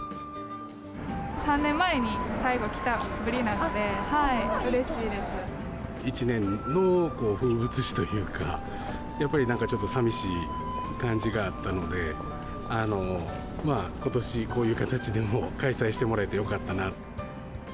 ３年前に最後来たぶりなので、一年の風物詩というか、やっぱりなんかちょっとさみしい感じがあったので、ことし、こういう形でも開催してもらえてよかったなと。